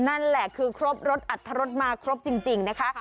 นั่นแหละคือครบรถอัตรรสมาครบจริงนะคะ